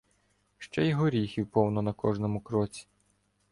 Ще й горіхів повно на кожному кроці